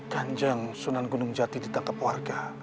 kanjeng sunan gunung jati ditangkap warga